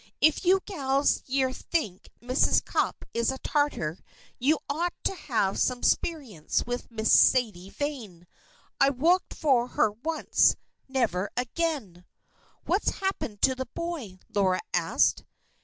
"If you gals yere think Mrs. Cupp is a Tartar, yo'd ought to have some 'sperience with Miss Sadie Vane. I wo'ked fo' her once. Never again!" "What's happened to the boy?" Laura asked.